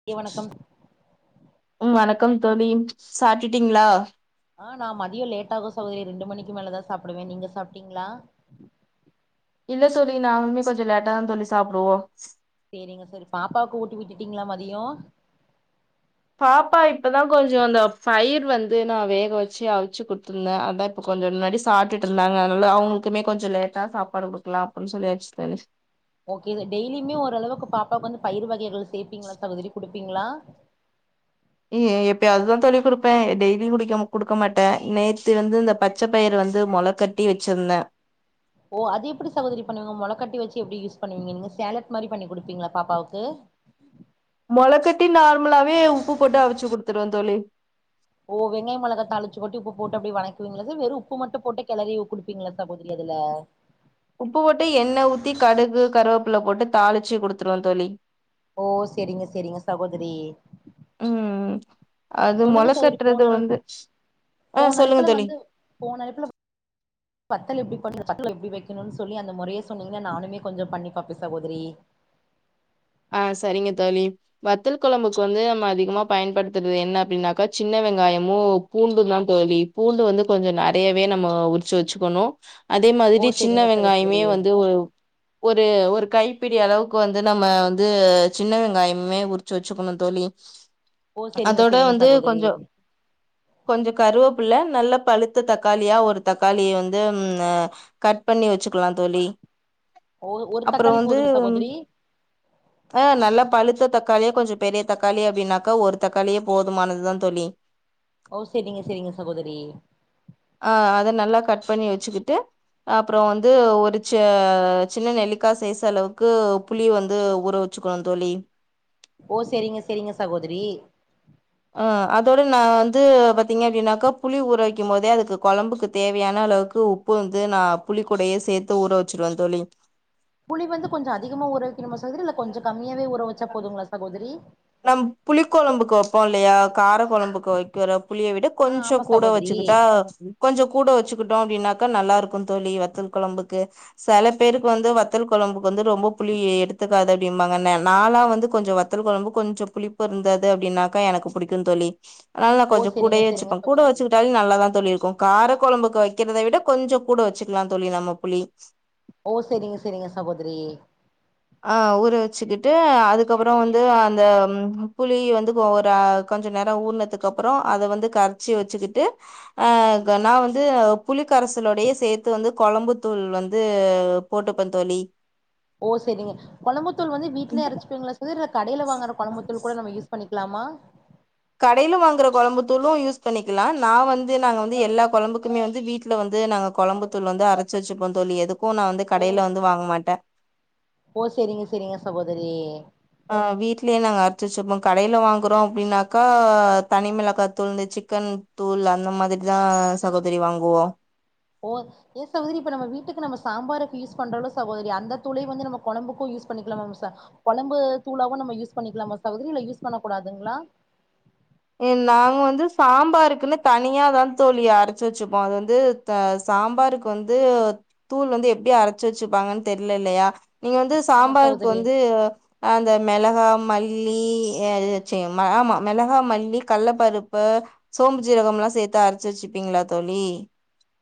மத்திய வணக்கம் ம் வணக்கம் தோழி சாப்டீங்களா ஆ நா மதியோ லேட்டாதா சகோதரி ரெண்டு மணிக்கு மேல தா சாப்புடுவே நீ சாப்டீங்ளா இல்ல தோழி நாங்களுமே கொஞ்சோ லேட்டா தா தோழி சாப்படுவோ சேரிங்க சரி பாப்பாவுக்கு ஊட்டி விட்டுட்டீங்களா மதியோ பாப்பா இப்பதா கொஞ்சோ அந்த பயிர் வந்து நா வேக வெச்சி அவிச்சி குடுத்திருந்தே அதா இப்போ கொஞ்சோ முன்னாடி சாப்டுட்டு இருந்தாங்க அதனால அவூங்களுக்குமே கொஞ்சோ லேட்டா சாப்பாடு குக்கலாமே அடின் சொல்லி ஆச்சி தோழி ஓகே இது டெய்லிமே ஓரளவு பாப்பாவுக்கு வந்து பயிர் வகைகள் சேப்பீங்ளா சகோதரி குடுப்பீங்ளா இ எப்பயாது தானதோழி குடுப்பே டெய்லியு குடிக்க குடுக்க மாட்டே நேத்து வந்து இந்த பச்ச பயிறு வந்து மொளக் கட்டி வெச்சிருந்த ஓ அது எப்புடி சகோதரி பண்ணுவீங்க மொளக்கட்டி வெச்சி எப்டி யூஸ் பண்ணுவிங்க நீங்க சேலட் மாரி பண்ணி குடுப்பீங்ளா பாப்பாவுக்கு மொளக்கட்டி நார்மலாவே உப்பு போட்டு அவிச்சி குடுத்துருவே தோழி ஓ வெங்காயோ மொளகா தாளீச்சி கொட்டி உப்பு போட்டு அப்டியே வணக்குவீங்களா சகோதரி வெறு உப்பு மட்டு போட்டு கெளறி குடுப்பீங்களா சகோதரி அதுல உப்பு போட்டு எண்ண ஊத்தி கடுகு கருவேப்பிள்ள போட்டு தாளிச்சி குடுத்துருவே தோழி ஓ செரிங்க செரிங்க சகோதரி ம் அது மொள சொல்லுங்க சகோதரி கட்றது போன அழை வந்து ஆ போன சொல்லுங்க அழைப்புல தோழி வந்து போன எடத்துல வத்தல் எப்டி பண்றது வத்தல் எப்டி வெக்கணும்னு சொல்லி அந்த மொறைய சொன்னீங்கன்னா நானுமே கொஞ்சோ பண்ணிப்பாப்பே சகோதரி ஆ செரிங்க தோழி வத்தல் கொழம்புக்கு வந்து நம்ம அதிகமா பயன்படுத்துறது என்ன அப்டின்னாக்கா சின்ன வெங்காயமு பூண்டுந்தா தோழி பூண்டு வந்து கொஞ்சோ நறையவே நம்ம உரிச்சி வெச்சுக்கணு அதே ஓ மாதிரி சின்ன செரிங்க வெங்காயமே சகோதரி வந்து ஒரு ஒரு ஒரு கைப்பிடி அளவுக்கு வந்து நம்ம வந்து து சின்ன வெங்காயமே உரிச்சு வெச்சுக்கணு தோழி ஓ செரிங்க அதோட செரிங்க வந்து சகோதரி கொஞ்சோ கொஞ்சம் கருவேப்புள்ள நல்ல பழுத்த தக்காளியா ஒரு தக்காளிய வந்து ஆ கட் பண்ணி வச்சிக்கலாம் தோழி ஓ ஒரு அப்றோ தக்காளி போதுமா வந்து சகோதிரி ஆ நல்லா பழுத்த தக்காளியா கொஞ்சம் பெரிய தக்காளி அப்டின்னாக்கா ஒரு தக்காளியே போதுமானதுதா தோழி ஓ செரிங்க செரிங்க சகோதிரி ஆ அத நல்லா கட் பண்ணி வச்சிக்கிட்டு அப்புறம் வந்து ஒரு ச சின்ன நெல்லிக்கா சைஸ் அளவுக்கு புளி வந் து ஊற வச்சிக்கணும் தோழி ஓ செரிங்க செரிங்க சகோதரி அ அதோட நா வந்து பாத்தீங்க அப்டின்னாக்கா புளி ஊறவெக்கும் போதே அதுக்கு கொழம்புக்குத் தேவையான அளவுக்கு உப் ப்பு வந்து நான் புளிக்கூடையே சேத்து ஊற வெச்சிருவே தோழி புளி வந்து கொஞ்சம் அதிகமா ஊற வக்கணுமா சகோதிரி இல்ல கொஞ்சம் கம்மியாவே ஊற வச்சா போதுங்களா சகோதிரி நம் புளி கொழம்புக்கு வப்போம் இல்லையா கார கொழம்பு கோ வக்கிற புளிய விட ஆ ஆமா கொஞ்சம் கூட சகோதரி வச்சிக்கிட்டா கொஞ்சம் கூட வச்சிக்கிட்டோம் அப்டின்னாக்கா நல்லா இருக் கும் தோழி வத்தல் கொளம்புக்கு செல பேருக்கு வந்து வத்தல் கொழம்புக்கு வந்து ரொம்ப புளி எடுத்துக்காத அப்டிம்பாங்க ந நாலா வந்து கொஞ்சம் வத்தல் கொழம்பு கொஞ்சம் புளிப்பு இருந்தது அப்டின்னாக்கா எனக்கு புடிக்கும் தோழி அதனால நா ஓ கொஞ்ச செரிங்க கூடயே செரிங்க வச்சிப்பன் கூட சகோதரி வச்சக்கிட்டாலே நல்லாதா தோழி இருக்கும் கார கொழம்புக்கு வக்கிறத விட கொஞ்சம் கூட வச்சிக்கிலா தோழி நம்ம புளி ஓ செரிங்க செரிங்க சகோதிரி ஆ ஊற வச்சிக்கிட்டு அதுக்கப்புறம் வந்து அந்த புளிய வந்து ஒரு கொஞ்சம் நேரம் ஊறனதுக்கு அப்புறம் அத வந்து கரைச்சக வச்சிக்கிட்டு ஆ நா வந்து புலிக்கரசலோடையே சேத்து வந்து கொழம்பு தூள் வந்து போட்டுப்பன் தோழி ஓ செரிங்க கொழம்புத்தூள் வந்து வீட்லே அரச்சிப்பிங்களா சகோதிரி இல்ல கடையில வாங்கற கொழம்பத்தூள் கூட நம்ம யூஸ் பண்ணிக்கலாமா கடையில வாங்கற கொழம்புத்தூளும் யூஸ் பண்ணிக்கிலா நா வந்து நாங்க வந்து எல்லா கொழம்புக்குமே வந்து வீட் ல வந்து நாங்க கொழம்பு தூள் வந்து அரைச்சி வச்சிப்போம் தோழி எதுக்கும் நா வந்து ஓ கடையில வந்து வாங்க மாட்டன் ஓ செரிங்க செரிங்க சகோதிரி ஆ வீட்லே நாங்க அரச்சி வச்சிப்போம் கடையில வாங்கறோம் அப்டின்னாக்கா தனி மிளகா தூள் இந்த சிக்கன் தூள் அந்த மாதிரிதா சகோதிரி வாங்குவோ போ ஏ சகோதிரி இப்ப நம்ம வீட்டுக்கு நம்ம சாம்பாருக்கு யூஸ் பண்றோல்ல சகோதிரி அந்த தூளே வந்து நம்ம கொழம்புக்கும் யூஸ் பண்ணிக்கிலாமாம ச கோழம்பு தூளாவும் நம்ம யூஸ் பண்ணிக்கிலாம சகோதிரி இல்ல யூஸ் பண்ண கூடாதுங்கிளா ஏ நாங்க வந்து சாம்பாருக்குன்னு தனியா தா தோழி அரச்சி வச்சிப்போம் அது வந்து த்த சாம்பாருக்கு வந்து தூள் வந்து எப்டி அரைச்சி வச்சிப்பாங்கன் தெர்ல இல்லையா நீங்க வந்து ஆமா சாம்பாருக்கு சகோதரி வந்து அந்த மெளகா மல்லி சி ம ஆமா மெளகா மல் லி கல்ல பருப்பு சோம்பு ஜீரகம்லா சேத்து அரைச்சி வச்சிப்பீங்கிளா தோழி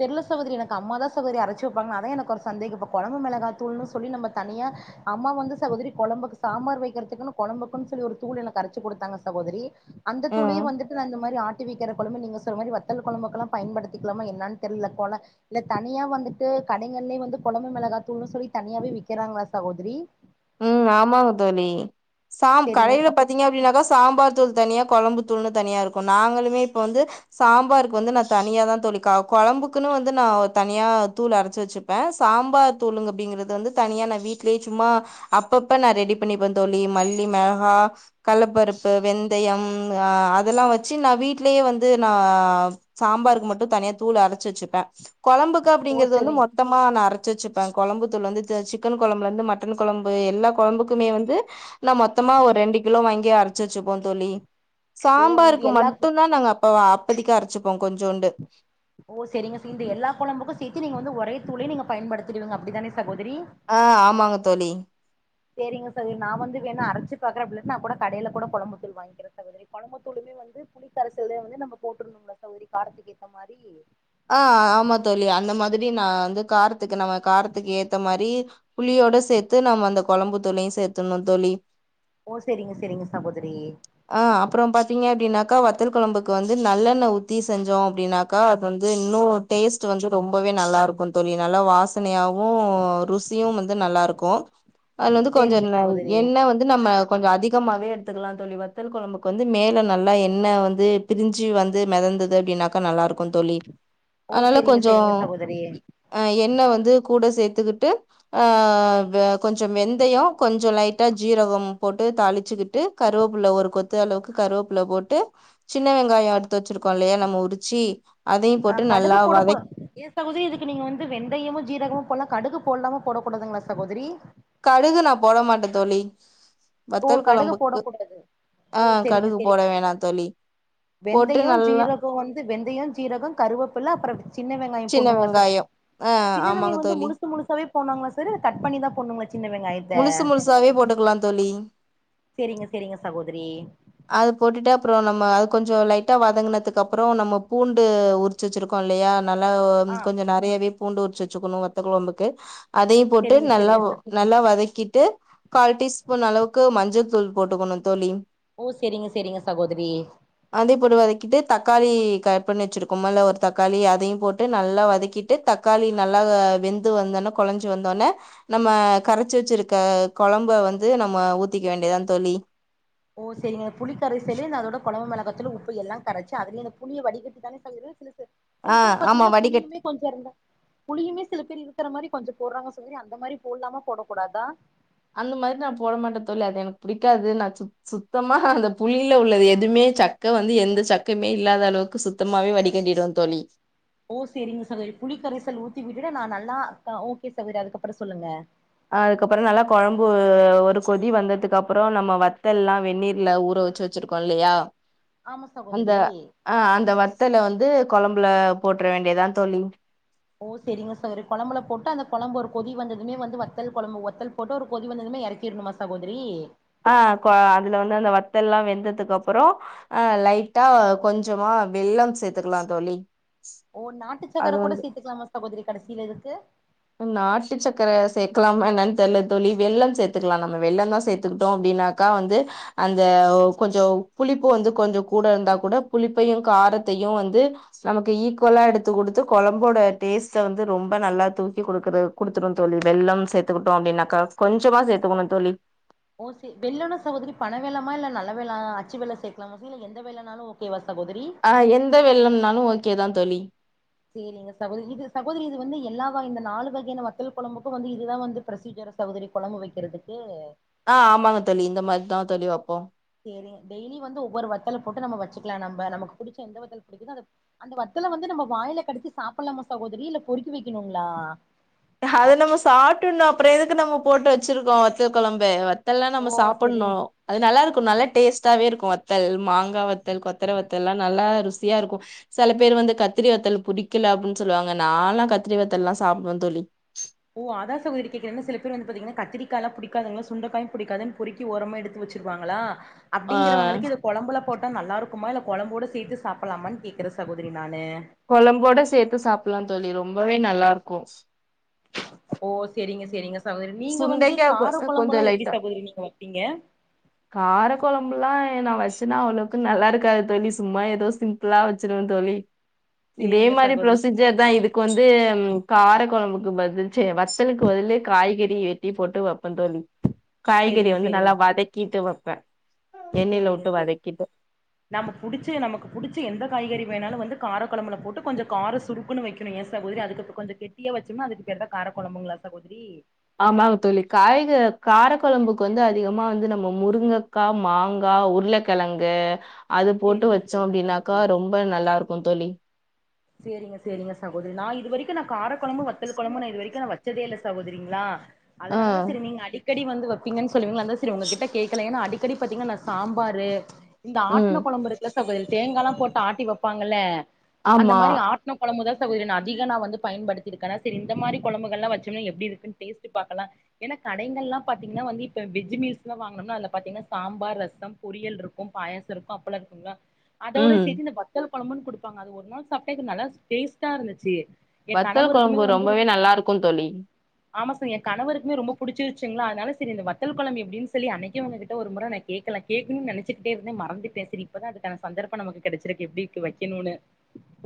தெர்ல சகோதிரி எனக்கு அம்மாதா சகோதிரி அரைச்சி வப்பாங்க அதா எனக்கு ஒரு சந்தேகம் இப்ப கொழம்பு மெளகா தூள்னு சொல்லி நம்ம தனியா அம்மா வந்து சகோதிரி கொழம்புக்கு சாம்பார் வைக்கிறதுக்குன்னு கொழம்புக்குன் சொல்லி ஒரு தூள் எனக்கு அரச்சி குடுத்தாங்க சகோதிரி அந்த ம் தூளையே வந்துட்டு நா இந்த மாரி ஆட்டி வைக்கிற கொழம்பு நீங்க சொன்ன மாரி வத்தல் கொழம்புக்கல்லாம் பயன்படுத்திக்கிலாம என்னான் தெர்ல கொல இல்ல தனியா வந்துட்டு கடைங்களே வந்து கொழம்பு மெளகாத்தூளுன் சொல்லி தனியாவே வி்க்கறாங்களா சகோதிரி ம் ஆமாங்க தோழி சாம் செரிங்க கடையில பாத் தீங்க அப்டின்னாக்கா சாம்பார் தூள் தனியா கொழம்பு தூள்ன்னு தனியா இருக்கும் நாங்களுமே இப்ப வந்து சாம்பாருக்கு வந்து நா தனியா தான தோழி குழம்புக்குன்னு வந்து நா தனியா தூள் அரைச்சு வச்சு ப்பன் சாம்பார் தூள் அப்படிங்கறது வந்து தனியா நா வீட்டுலயே சும்மா அப்பப்ப நா ரெடி பண்ணிப்பே தோழி மல்லி மிளகா கள்ளப்பருப்பு வெந்தயம் அ அதெல்லா வச்சு நா வீடலயே வந்து நா சாம்பாருக்கு மட்டும் தனியா தூள் அரைச்சு வச்சுப்ப குழம்புக்கு ஓ அப்படிங்கறது வந்து செரி மொத்தமா நா அரைச்ச வச்சுப்ப குழம்புத்தூள் வந்து சிக்கன் குழம்புல இருந்து மட்டன் குழம்பு எல்லா குழம்புக்குமே வந்து நா மொத்தமா ஒரு ரெண்டு கிலோ வாங்கி அரைச்சு வச்சுப்போம் தோழி ஓ இது சாம்பாருக்கு எல்லா மட்டும்தா நாங்க அப்ப அப்பதிக்க அரைச்சிப்போம் கொஞ்சோண்டு ஓ சரிங்க சார் இந்த எல்லா குழம்புக்கும் சேத்து நீங்க வந்து ஒரே தூள நீங்க பயன்படுத்திடுவிங்க அப்படிதானே சகோதரி ஆ ஆமாங்க தோழி சரிங்க சகோதரி நா வந்து வேண அரைச்சு பாக்குறன் அப்டி இல்லனா கூட நா கூட கடையில கூட குழம்பத்தூள் வாங்குகிற சகோதரி குழம்பத்தூளுமே வந்து புளி கரைசல வந்து நம்ம போட்டுருந்தோம்ல தோழி காரத்துக்கேத்த மாரி ஆ ஆமா தோழி அந்த மாதிரி நா வந்து காரத்துக்கு நம்ம காரத்துக்கு ஏத்த மாரி புளியோட சேத்து நம்ம அந்த குழம்பு தூளும் சேத்துணும் தோழி ஓ சரிங்க சரிங்க சகோதரி அ அப்புறம் பாத்தீங்க அப்படின்னாக்கா வத்தல் குழம்புக்கு வந்து நல்லெண்ண உத்தி செஞ்சோம் அப்படின்னாக்கா வந்து இன்னும் டேஸ்ட் வந்து ரொம்பவே நல்லா இருக்கும் தோழி நல்லா வாசனையாவும் ருசியும் வந்து நல்லா இருக்கும் அதுல வந்து சேரிங்க கொஞ்சம் சகோதரி எண்ண வந்து நம்ம கொஞ்சம் அதிகமாகவே எடுத்துக்கலா தோழி வத்தல் குழம்புக்கு வந்து மேலே நல்லா எண்ணெய் வந்து பிரிஞ்சு வந்து மிதந்தது அப்படின்னாக்கா நல்லா இருக்கும் தோழி ஓ அதனால சேரிங்க கொஞ்சம் சேரிங்க சகோதரி அ என்ன வந்து கூட சேர்த்துக்கிட்டு ஆ கொஞ்சம் வெந்தயம் கொஞ்சம் லைட்டா ஜீரகம் போட்டு தாளிச்சுக்கிட்டு கருவேப்பில ஒரு கொத்து அ அளவுக்கு கருவேப்புல போட்டு சின்ன வெங்காயம் எடுத்து வச்சிருக்கோம் இல்லையா நம்ம உரிச்சி அதையு ஆ போட்டு நல்லா கடுகு போடுகூட வதக் சகோதரி இதுக்கு நீங்க வந்து வெண்ந்தயமும் ஜீரகமும் போடலாம் கடுகு போடலாம போடக்க கூடதுங்களா சகோதரி கடுகு நா போட மாட்டே தோழி ஓ வத்தல் கடுகு கொழம்புக்கு போடக் கூடாது ஆ ஒ சரிங்க கடுகு போட வேணா சரிங்க தோழி போட்டு வெந்தயம் நல்லா ஜீரகம் வந்து வெந்தயம் ஜீரகம் கருவேப்பில அப்புறம் சின்ன வெங்காயம் சின்ன போடனுங்களா சார் வெங்காயோ ஆ சின்ன ஆமாங்க வெங்காயம் வந்து தோழி முழுசு முழுசாவே போடனுங்களா சார் இல்ல கட் பண்ணி தா போண்ணுங்களா சின்ன வெங்காயம் முழுசு முழுசாவே போட்டுக்கலா தோழி சரிங்க சரிங்க சகோதரி அது போட்டுட்டு அப்புறம் நம்ம அது கொஞ்சம் லைட்டா வதங்கினதுக்கு அப்புறம் நம்ம பூண்டு உரிச்சு வச்சிருக்கோ இல்லையா நல்லா ஆ கொஞ்ச நிறையாவே பூண்டு உரிச்சு வச்சுக்கணும் வத்த குழம்புக்கு அதையு போட்டு சேரிங்க நல்லா சேரிங்க சார் நல்லா வதக்கிட்டு கால் டீஸ்பூன் அளவுக்கு மஞ்சள் தூள் போட்டுக்கணு தோழி ஓ சரிங்க சரிங்க சகோதரி அதே போட்டு வதக்கிட்டு தக்காளி கட் பண்ணி வச்சிருக்கோமல்ல ஒரு தக்காளி அதையும் போட்டு நல்லா வதக்கி ட்டு தக்காளி நல்லா வெந்து வந்தோன்னே குலைஞ்சி வந்தோனே நம்ம கரைச்சு வச்சிருக்க குழம்ப வந்து நம்ம ஊத்திக்க வேண்டியதா தோழி ஓ சரி அந்த புளி கரைசல்லு இந்த அதோட குழம்ப மிளகத்துள் உப்பு எல்லாம் கரைச்சு அதுலயும்ந்த புளிய வடிகட்டு தானே செய்ய சில ஆ பேர் ஆமா பாத்தீங்கன்னா வடிகட்டி புளியுமே கொஞ்சம் இருந்தா புளியுமே சிலர் இருக்கிற மாதிரி கொஞ்சம் போடுராங்க தோழி அந்த மாதிரி போடலாம போடக்க கூடாதா அந்த மாதிரி நா போட மாட்டே தோழி அது எனக்கு புடிக்காதுன் சுத்தமாக அந்த புளில உள்ளது எதுவுமே சக்க வந்து எந்த சக்கமே இல்லாத அளவுக்கு சுத்த மாவே வடிக்கட்டிடுவ தோழி ஓ சரிங்க சகோதரி புளிக்கரைசல் ஊத்தி விட்டுட்டு நா நல்லா ஓகே சகோதரி அதுக்கப்புறம் சொல்லுங்க அதுக்கப்புறம் நல்லா குழம்பு ஒரு கொதி வந்ததுக்கப்புறம் நம்ம வத்தல் எல்லாம் வெந்நீர்ல ஊற வச்சு வச்சிருக்கோம் இல்லையா ஆமா சகோதரி ஆஹ் அந்த வத்தல வந்து குழம்புல போட்டுற வேண்டியதான் தோழி ஓ சரிங்க சரி குழம்புல போட்டு அந்த குழம்பு ஒரு கொதி வந்ததுமே வந்து வத்தல் குழம்பு வத்தல் போட்டு ஒரு கொதி வந்ததுமே இறக்கிருணுமா சகோதரி ஆஹ் கொ அதுல வந்து அந்த வத்தல் எல்லாம் வெந்ததுக்கு அப்புறம் ஆஹ் லைட்டா கொஞ்சமா வெல்லம் சேத்துக்கலாம் தோழி ஓ நாட்டு அது சக்கரை வந்து கூட சேத்துக்கலாமா சகோதரி கடைசியில இதுக்கு நாட்டு சக்கரை சேக்கலாமா என்னன்னு தெர்ல தோழி வெல்லம் சேத்துலாம் நம வெல்லம் தான் சேத்துக்கிட்டோம் அப்டின்னா கா வந்து அந்த கொஞ்சம் புளிப்பு வந்து கொஞ்சம் கூட இருந்தா கூட புளிப்பையும் காரத்தையும் வந்து நமக்கு ஈக்குவலா எடுத்து கொடுத்து குழம்போட டேஸ்ட்ட வந்து ரொம்ப நல்லா தூ கொடுக்குது குடுத்துரும் தோழி வெல்லம் சேத்துக்கிட்டோம் அப்படின்னாக்கா கொஞ்சமா சேத்துக்கணும் தோழி ஓ சரி வெல்லம்ன்னா சகோதரி பணை வெல்வமா இல்ல நல்ல வெல்ல அச்சு வெல்லம் சேக்கலாம சரி இல்ல எந்த வெல்லம்னாலும் ஓகேவா சகோதரி ஆ எந்த வெல்லம்ன்னாலும் ஓகே தான் தோழி சரிங்க சகோதரி இது சகோதரி இது வந்து எல்லா வ இந்த நாலு வகையான வத்தல் குழம்புக்கும் வந்து இதுதான் வந்து ப்ரொசீஜரா சகோதரி குழம்பு வைக்கிறதுக்கு ஆஹ் ஆமாங்க தோழி இந்த மாதிரிதான் தோழி வைப்போம் சரி டெய்லி வந்து ஒவ்வொரு வத்தலை போட்டு நம்ம வச்சுலாம் நம்ப நமக்கு பிடிச்ச எந்த வத்தல் பிடிக்குதோ அத அந்த வத்தல வந்து நம்ம வாயில கடைச்சி சாப்பிட்லாம சகோதரி இல்ல பொறிக்கி வைக்கணுங்களா அத நம்ம சாப்டணும் அப்புறம் எதுக்கு நம்ம போட்டு வச்சிருக்கோம் வத்த குழம்பு வ இதெல்லாம் ஓ நம்ம சாப்பட்ணோ செரிங்க னும் அது நல்லா இருக்கும் செரி நல்லா டேஸ்ட்டாவே இருக்கும் வத்தல் மாங்காய் வத்தல் கொத்தர வத்தல் எல்லாம் நல்லா ருசியா இருக்கும் சில பேர் வந்து கத்திரி வத்தல் புடிக்கல அப்படின்னு சொல்லுவாங்க நாலாம் கத்திரி வத்தல்லாம் சாப்படுவேன்னனு சொல்லி ஓ அதான் சகோதரி கேக்குறேன் சில பேர் வந்து பாத்தீன்னா கத்திரிக்காலாம் படிக்காதங்க சுண்டக்காயும் புடிக்காதுனு பொறி க்கி ஓரமா எடுத்து வச்சிருவாங்களா ஆ அப்படிங்கறவங்களுக்கு இத குழம்புல போட்டா நல்லா இருக்குமா இல்லை குழம்போட சேத்து சாப்பிடலாமா ன்னு கேட்குறேன் சகோதரி நானு குழம்போட சேத்து சாப்டலாம் தோழி ரொம்பவே நல்லா இருக்கும் ஓ சரிங்க சரிங்க சகோதரி நீங்க வந்து சுண்டைக்கா கொ கார குழம்பு கொஞ்சோ எல்லாம் எப்படி சகோதரி நீங்க வப்பீங்க [inaudible] காரக்குழம்புலாம் நான் வச்சேன்னா அவ்வளவுக்கு நல்லா இருக்காது தோழி சும்மா ஏதோ சிம்பிளா வச்சுருவேன் தோழி [inaudible] இதே மாதிரி சகோதரி ப்ரொசீஜ் ஜர் தான் இதுக்கு வந்து கார குழம்புக்கு பதில் சே வத்தலுக்கு பதில் காய்கறி ய வெட்டி போட்டு வைப்பேன் தோழி காய்கறிய சேரிங்க வந்து சேரிங்க நல்லா வதக்கிட்டு வப்பேன் எண்ணெயில சேரிங்க விட்டு சேரி வதக்கிட்டு நம்ம புடிச்ச நமக்கு புடிச்ச எந்த காய்கறி வேணாலும் வந்து காரக்கோழம்புல போட்டு கொஞ்சம் காரம் சுருக்குன்னு வைக்க ஏன் சகோதரி அதுக்கொஞ்சம் கெட்டியாவச்சோம்னா அதுக்கு பேர் தான் கார குழம்புங்களா சகோதரி ஆமாங் தோழி காய்க காரக்குழம்புக்கு வந்து அதிகமா வந்து நம்ம முருங்க க்கா மாங்கா உருளக்கிழங்கு அது போட்டு சேரிங்க வச்சோம் சேரிங்க சகோதரி அப்படின்னாக்கா ரொம்ப நல்லா இருக்கும் தோழி செரிங்க செரிங்க சகோதரி நான் இது வரைக்கும் நான் கார குழம்பும் வத்தல் குழம்பும் நான் இதுவரைக்கும் வச் சதே இல்ல சகோதரிங்களா ஆ அதனாலதான் செரி நீங்க அடிக்கடி வந்து வப் பிங்கனு சொல்லூவீங்களா அதான் செரி உங்ககிட்ட கேக்கலா ஏன்னா அடிக்கடி பாத்தீங்கன்னா சாம்பார் இந்த ம் ஆட்ன குழம்புருக் குலசங்கோயில் தேங்காலா போட்டு ஆட்டி வைப்பாங்கலே அந்த ஆமா மாரி ஆட் டுன கொழம்புதா சகோதரி நா அதிகோ நா வந்து பயன்படுத்திருக்கேனா சரி இந்த மாரி கொழம்புகல்லா வச்சே எப்டி இருக்குன்னு டேஸ்ட் பாக்கலா ஏன்னா கடைகள் எல்லா பாத்தீங்கன்னா வந்து இப்ப வெஜ் மீல்ஸ் எல்லா வாங்கினோம்னா அது பாத்தீங்கன்னா சாம்பார் ரசம் பொரியல் இருக்கு பாயாசோ இருக்கு அப்பளம்ல்லா இருக் அதோட ம் சேத்தி இந்த வத்தல் கொழம்புன்னு கொடுப்பாங்க அது ஒரு நாள் சாப்ட்டே நல்லா டேஸ்ட்டா இருந்துச்சு என் வத்தல் கணவருக்குமே கொழம்பு வந்து ரொம்பவே நல்லா இருக்கு தோழி ஆமா சிஸ்டர் எ கணவருக்குமே ரொம்ப புடிச்சிருச்சீங்களா அதனால இந்த வத்தல் கொழம்பு எப்டினு சொல்லி அன்னைக்கே உங்ககிட்ட ஒரு மொற நா கேக்கலே கேக்கணு நினைச்சக்கிட்டே இருந்தே மறந்துட்டே செரி ப்பதா அதுக்கான சந்தர்ப்பம் நமக்கு கெடச்சிருக்கு எப்டிக்கு வைக்கணும்னு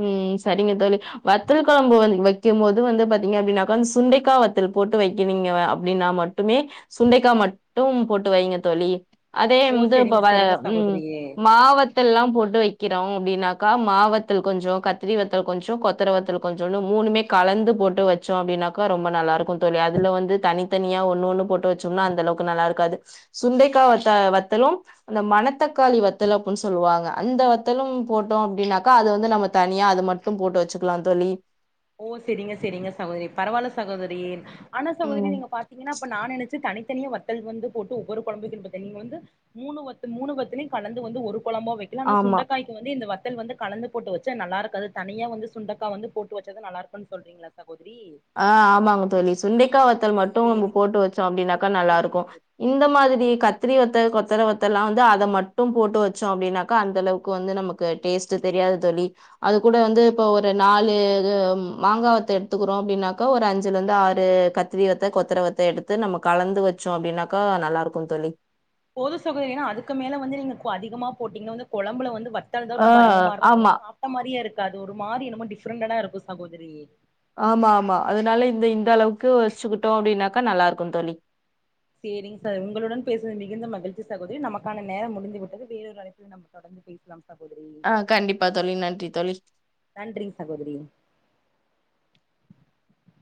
ம் சரிங்க தோழி வத்தல் கொழம்பு வந்து வைக்கும் போது வந்து பாத்தீங்க அப்டினாக்க சுண்டக்கா வத்தல் போட்டு வைக்கிறிங்க அப்டின்னா மட் மட்டுமே சுண்டைக்கா மட்டு போட்டு வைங்க தோழி அதே ஓ வந்து இப்ப செரிங்க வ செரிங்க ம் சகோதரி மாவத்தல்லா போட்டு வைக்கிறோ அப்டின்னாக்கா மாவத் தல் கொஞ்சோ கத்திரி வத்தல் கொஞ்சோ கொத்தர வத்தல் கொஞ்சோ மூணுமே கலந்து போட்டு வச்சோ அப்டின்னாக் க ரொம்ப நல்லா இருக்கு தோழி அதுல வந்து தனித்தனியா ஒண்ணு ஒண்ணு போட்டு வச்சோம்னா அந்த அளவுக்கு நல்லா இருக்காது சுண்டைக்கா வத்த வத்தலு அந்த மணத்தக்காளி வத்தல் அப்டின்னு சொல்லுவாங்க அந்த வத்தலு போட்டோ அப்டின்னாக் கா அது வந்து நம்ம தனியா அது மட்டு போட்டு வச்சுக்கலா தோழி ஓ செரிங்க செரிங்க சகோதரி பரவாயில்ல சகோதரி ஆனா சகோதரி ம் நீங்க பாத்தீங்கன்னா அப்ப நா நெனச்சே தனித்தனிய வத் தல் வந்து போட்டு ஒவ்வொரு கொழம்பு வக்கணு பத்தே நீங்க வந்து மூணு வத் மூணு வத்தலயு கலந்து வந்து ஒரு கொழம்பா வைக் இலனா ஆமா சுண்டக்காய்க்கு வந்து இந்த வத்தல் வந்து கலந்து போட்டு வச்ச நல்லா இருக்காது தனியா வந்து சுண்டக்கா வந்து போட்டு வச்சதா நல்லா இருக்கும்ன்னு சொல்றீங்களா சகோதரி ஆ ஆமாங்க தோழி சுண்டைக்கா வத்தல் மட்டு நம்ம சேரி போட்டு வச்சோ அப்டின்னாக்கா நல்லா சேரி இருக்கு சேரி இந்த மாதிரி கத்திரி வத்த கொத்தர வத்தல்லா வந்து அந்த மட்டு போட்டு வச்சோனாக்கா அந்தளவுக்கு வந்து நமக்கு கு டேஸ்ட் தெரியாது தோழி அது கூட வந்து இப்போ ஒரு நாலு மாங்காவத்த எடுத்துகுத் தோ அப்டினாக்கா ஒரு அஞ்சுலருந்து ஆறு கத்திரி வத்த கொத்தரவத்த எடுத்து நம்ம கலந்து வச் ச்சோ அப்டின்னாக்கா நல்லா இருக்கு தோலி போது சகோதரி ஏன்னா அதுக்கு மேல வந்து நீங்க கொ அதிகமா போட்டீங்கனா வந்து கொழம்புல வந்து வத் தல்தா ஆ ரொம்ப அதிகமா இருக்கு ஆமா சாப்ட்ட மாரியே இருக்காது ஒரு மாரி என்னமோ டிஃப்ரண்டடா இருக்கு சகோதரி ஆமா ஆமா அதனால இந்த இந்த அளவுக்கு வற்ச்சுக்கிட்டோ அப்டின்னாக்கா நல்லா இருக்கு தோழி சேரிங் சார் உங்களுடன் பேசனது மிகுந்த மகிழ்ச்சி சகோதரி நமக்கான நேர முடிந்து விட்டது வேறொரு அழைப்பில நம் தொடர்ந்து பேசலாம் சகோதரி ஆ கண்டிப்பா தோழி நன்றி தோழி நன்றிங் சகோதிரி